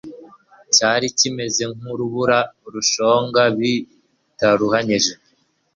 cyari kimeze nk'urubura rushonga bitaruhanyije